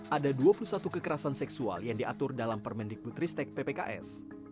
ada dua puluh satu kekerasan seksual yang diatur dalam permendikbutristek ppks